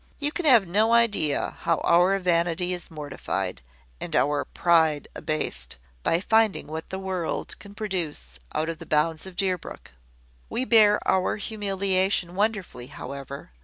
You can have no idea how our vanity is mortified, and our pride abased, by finding what the world can produce out of the bounds of Deerbrook. We bear our humiliation wonderfully, however.